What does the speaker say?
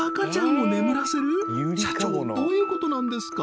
社長どういうことなんですか？